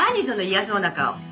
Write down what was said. その嫌そうな顔。